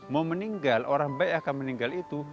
mau meninggal orang baik akan meninggal itu